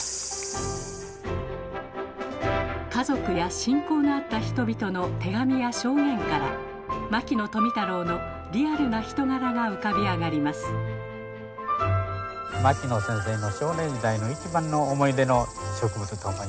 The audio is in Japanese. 家族や親交のあった人々の手紙や証言から牧野富太郎のリアルな人柄が浮かび上がります牧野先生の少年時代の一番の思い出の植物と思いますね。